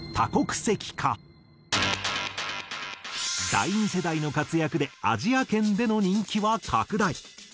第２世代の活躍でアジア圏での人気は拡大。